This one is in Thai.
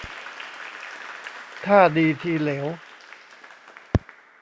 ท่าดีทีเหลว